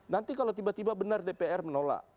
nanti kalau tiba tiba benar dpr menolak